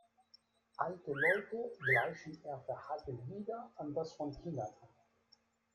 Alte Leute gleichen ihr Verhalten wieder an das von Kindern an.